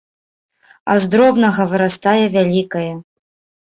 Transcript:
А з дробнага вырастае вялікае.